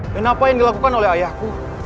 dan apa yang dilakukan oleh ayahku